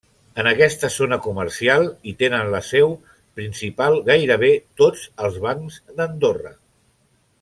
En aquesta zona comercial hi tenen la seu principal gairebé tots els bancs d'Andorra.